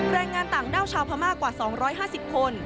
แรงงานต่างด้าวชาวพม่ากว่า๒๕๐คน